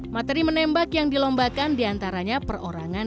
materi menembak yang dilombakan diantaranya perorangan